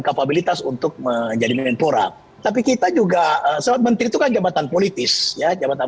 kapabilitas untuk menjadi mentora tapi kita juga sementara menteri ke jabatan politis jabatan